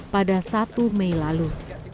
pada satu mei lalu